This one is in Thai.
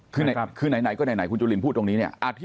คือไหนก็ไหนคุณจุลินพูดตรงนี้เนี่ย